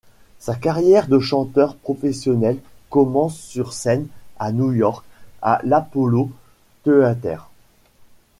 Sa carrière de chanteur professionnel commence sur scène à New York, à l'Apollo Theater.